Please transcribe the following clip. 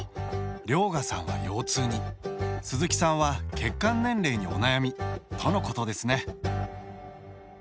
遼河さんは腰痛に鈴木さんは血管年齢にお悩みとのことですね。